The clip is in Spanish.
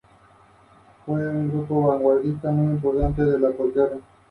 Su estilo está caracterizado por la simplicidad de sus obras.